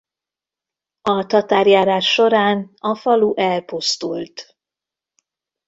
A tatárjárás során a falu elpusztult.